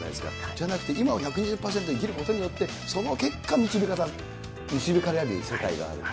じゃなくて、今を１２０％生きることによって、その結果、導かれる世界がある。